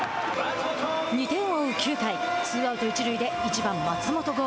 ２点を追う９回ツーアウト、一塁で１番、松本剛。